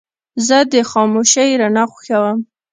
زه د خاموشې رڼا خوښوم.